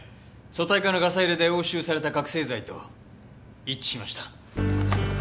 組対課のガサ入れで押収された覚醒剤と一致しました。